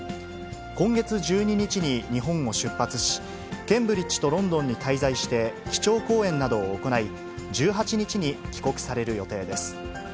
今月１２日に日本を出発し、ケンブリッジとロンドンに滞在して、基調講演などを行い、１８日に帰国される予定です。